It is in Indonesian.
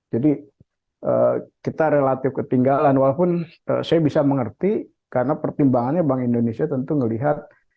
jadi kita relatif ketinggalan walaupun saya bisa mengerti karena pertimbangannya bank indonesia tentu ngelihat